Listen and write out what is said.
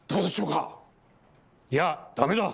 いやダメだ！